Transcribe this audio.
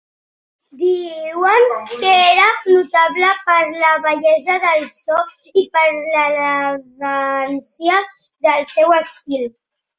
Diuen que era notable per la bellesa del so i per l'elegància del seu estil.